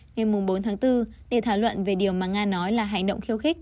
ngày bốn tháng bốn để thảo luận về điều mà nga nói là hành động khiêu khích